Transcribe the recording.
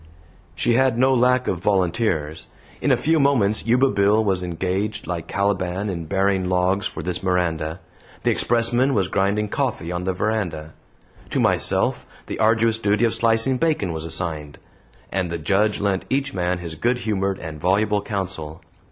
She had no lack of volunteers. In a few moments Yuba Bill was engaged like Caliban in bearing logs for this Miranda; the expressman was grinding coffee on the veranda; to myself the arduous duty of slicing bacon was assigned; and the Judge lent each man his good humored and voluble counsel.